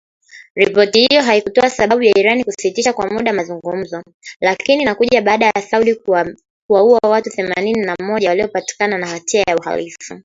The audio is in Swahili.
Ripoti hiyo haikutoa sababu ya Iran kusitisha kwa muda mazungumzo, lakini inakuja baada ya Saudi kuwaua watu themanini na mmoja waliopatikana na hatia ya uhalifu.